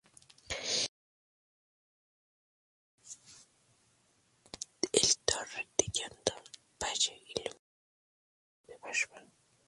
El torrente talló el gran valle aluvial que utiliza el río Wabash hoy.